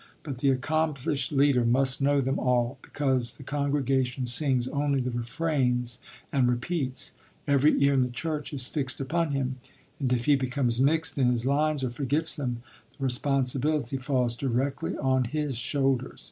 But the accomplished leader must know them all, because the congregation sings only the refrains and repeats; every ear in the church is fixed upon him, and if he becomes mixed in his lines or forgets them, the responsibility falls directly on his shoulders.